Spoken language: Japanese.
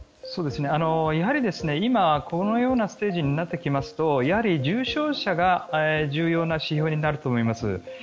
やはり今、このようなステージになってきますと重症者が重要な指標になると思います。